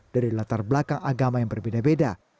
dari latar belakang agama yang berbeda beda